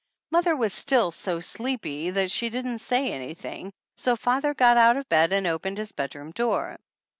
Mother was still so sleepy 49 THE ANNALS OF ANN that she didn't say anything, so father got out of bed and opened his bedroom door.